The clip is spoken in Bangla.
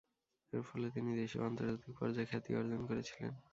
এর ফলে তিনি দেশীয় ও আন্তর্জাতিক পর্যায়ে খ্যাতি অর্জন করেছিলেন।